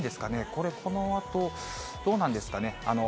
これ、このあと、どうなんですかね？